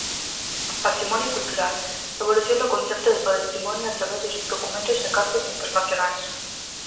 Patrimonio cultural: evolución do concepto de patrimonio a través dos documentos e cartas internacionais.